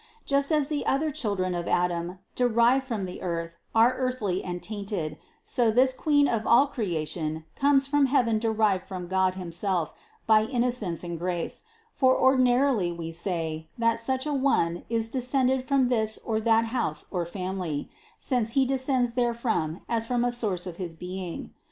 Just as the other children of Adam, derived from the earth, are earthly and tainted, so this Queen of all cre ation comes from heaven derived from God himself by innocence and grace; for ordinarily we say, that such a one is descended from this or that house or family, since he descends therefrom as from a source of his being.